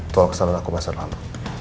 tual kesalahan aku masih lama